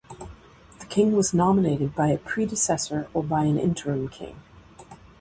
The king was nominated by a predecessor or by an interim king.